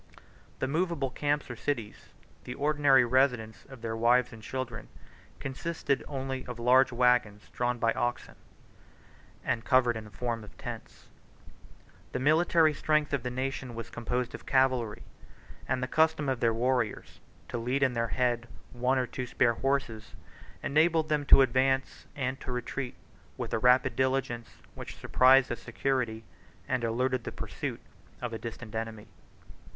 The movable camps or cities, the ordinary residence of their wives and children, consisted only of large wagons drawn by oxen, and covered in the form of tents. The military strength of the nation was composed of cavalry; and the custom of their warriors, to lead in their hand one or two spare horses, enabled them to advance and to retreat with a rapid diligence, which surprised the security, and eluded the pursuit, of a distant enemy.